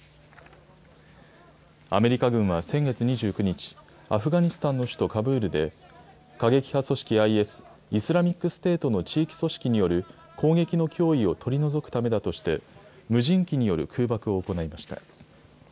アメリカ軍は先月２９日、アフガニスタンの首都カブールで、過激派組織ＩＳ・イスラミックステートの地域組織による攻撃の脅威を取り除くためだとして、無人機による空爆を行いました。